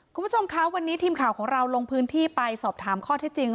คุณผู้ชมคะวันนี้ทีมข่าวของเราลงพื้นที่ไปสอบถามข้อที่จริง